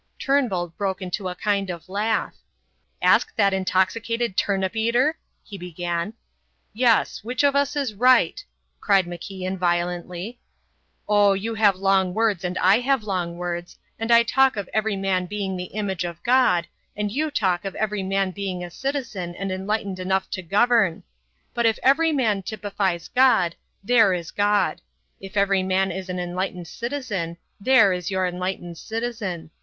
Turnbull broke into a kind of laugh. "Ask that intoxicated turnip eater " he began. "Yes which of us is right," cried MacIan violently. "Oh, you have long words and I have long words; and I talk of every man being the image of God; and you talk of every man being a citizen and enlightened enough to govern. But if every man typifies God, there is God. If every man is an enlightened citizen, there is your enlightened citizen.